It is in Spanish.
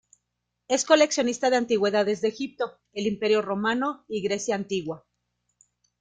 Es coleccionista de antigüedades de Egipto, el Imperio Romano y Grecia Antigua.